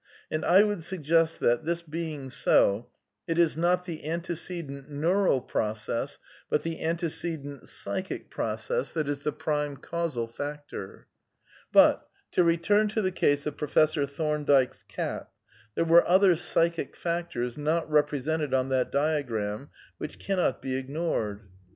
And I would suggest that, this being so, it is not the antecedent neural process but the /w \_ antecedent psychic process that is the prime causal factor. V But — to return to the case of Professor Thomdike's cat — there were other psychic factors, not represented on that diagram, which cannot be ignored.